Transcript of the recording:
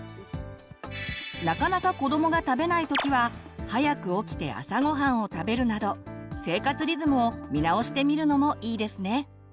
なかなか子どもが食べない時は早く起きて朝ごはんを食べるなど生活リズムを見直してみるのもいいですね。